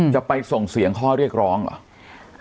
จะไปส่งเสียงข้อเรียกร้องเหรอ